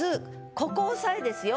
ここ押さえですよ。